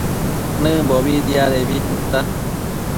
Nëmbobi diadebi tita